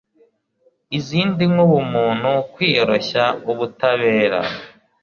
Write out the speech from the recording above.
izindi nk'ubumuntu, kwiyoroshya, ubutabera